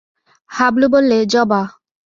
হাবলু বললে, জবা।